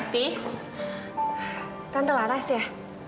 pi tante laras ya